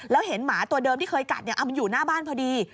แล้วเห็นหมาตัวเดิมที่เคยกัดมันอยู่หน้าบ้านพอดี